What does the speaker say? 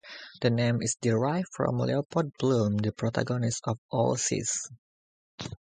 The name is derived from Leopold Bloom, the protagonist of "Ulysses".